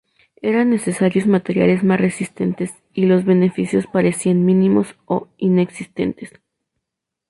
Eran necesarios materiales más resistentes y los beneficios parecían mínimos o inexistentes.